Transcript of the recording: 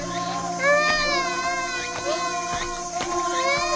ああ。